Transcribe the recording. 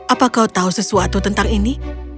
apa kau tahu sesuatu tentang ini